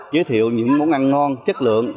giới thiệu những món ăn ngon chất lượng